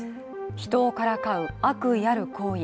人をからかう、悪意ある行為。